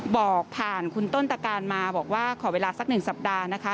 บอกผ่านคุณต้นตะการมาบอกว่าขอเวลาสักหนึ่งสัปดาห์นะคะ